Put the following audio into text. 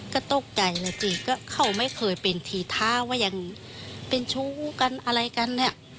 ก็ตกใจนะสิก็เขาไม่เคยเป็นทีท้าว่ายังเป็นชู้กันอะไรกันเนี่ย